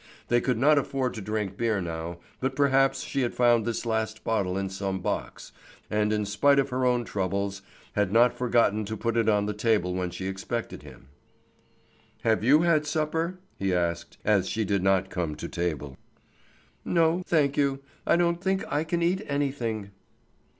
They could not afford to drink beer now, but perhaps she had found this last bottle in some box, and in spite of her own troubles, had not forgotten to put it on the table when she expected him. "Have you had supper?" he asked, as she did not come to table. "No, thank you," she said; "I don't think I can eat anything."